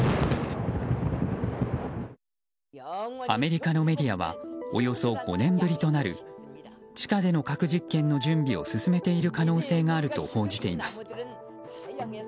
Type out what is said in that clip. アメリカのメディアはおよそ５年ぶりとなる地下での核実験の準備を進めている可能性があると報じています。